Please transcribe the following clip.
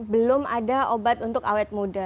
belum ada obat untuk awet muda